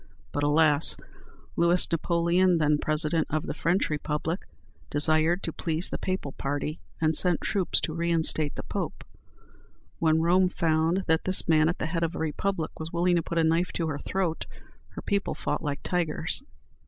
But alas! Louis Napoleon, then President of the French Republic, desired to please the Papal party, and sent troops to reinstate the Pope! When Rome found that this man at the head of a republic was willing to put a knife to her throat, her people fought like tigers.